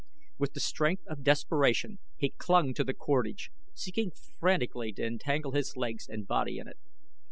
With the strength of desperation he clung to the cordage, seeking frantically to entangle his legs and body in it.